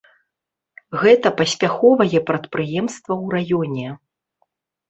Гэта паспяховае прадпрыемства ў раёне.